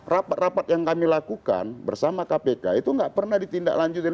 rapat rapat yang kami lakukan bersama kpk itu enggak pernah ditindak lanjutin